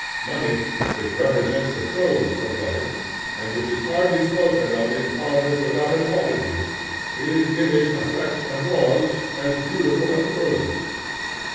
Money, which represents the prose of life, and which is hardly spoken of in parlors without an apology, is, in its effects and laws, as beautiful as roses.